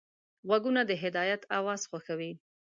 غوږونه د هدایت اواز خوښوي